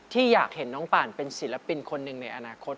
อยากเห็นน้องป่านเป็นศิลปินคนหนึ่งในอนาคต